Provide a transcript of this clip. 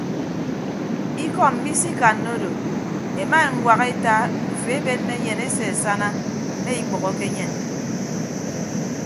Ikọ mmi isikanna odo ema eñwak eta ndufo ebenne enyen ese asana mme ikpәhoke enyen.